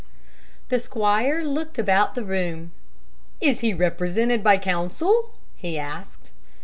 The squire looked about the room. "Is he represented by counsel?" he asked.